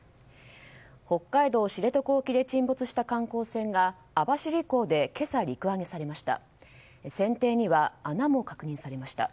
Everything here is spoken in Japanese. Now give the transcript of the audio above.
北海道知床沖で沈没した観光船が網走港で今朝、陸揚げされました。